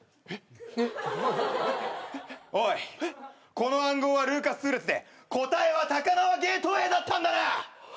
この暗号はルーカス数列で答えは高輪ゲートウェイだったんだな！